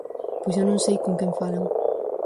Pois eu non sei con quen falan.